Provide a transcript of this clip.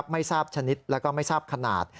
ไม่ทราบชนิดแล้วก็ไม่ทราบขนาด